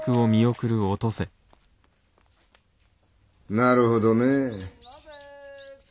なるほどね。